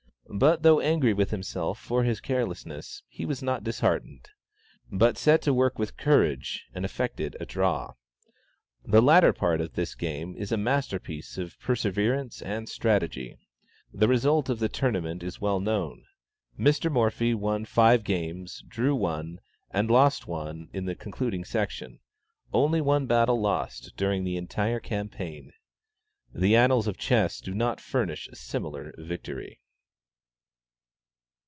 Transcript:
But though angry with himself for his carelessness, he was not disheartened, but set to work with courage, and effected "a draw." The latter part of this game is a masterpiece of perseverance and strategy. The result of the tournament is well known. Mr. Morphy won five games, drew one, and lost one in the concluding section only one battle lost during the entire campaign. The annals of chess do not furnish a similar victory.